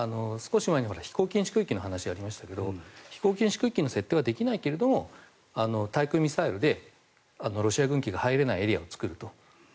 少し前に飛行禁止空域の話がありましたが飛行禁止空域の設定はできないけれども対空ミサイルでロシア軍機が入れないエリアを作ると。